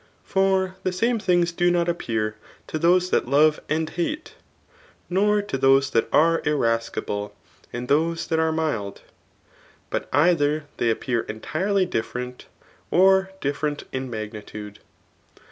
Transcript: For the same things do not appear to those that love and hate, nor to those that are irascible and those that are mild ; but either they appear endrely dif ferent, or different in magnitude.